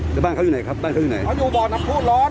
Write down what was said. แล้วบ้านเขาอยู่ไหนครับบ้านเขาอยู่ไหนเขาอยู่บ่อน้ำผู้ร้อน